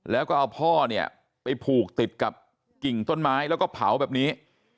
แล้วก็เอาพ่อเนี่ยไปผูกติดกับกิ่งต้นไม้แล้วก็เผาแบบนี้